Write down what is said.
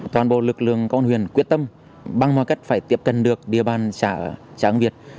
toàn bộ lực lượng công an huyện quyết tâm băng mọi cách phải tiếp cận được địa bàn xã hưng việt